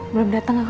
belum datang aku